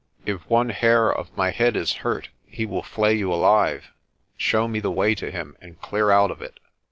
If one hair of my head is hurt, he will flay you alive. Show me the way to him, and clear out of it."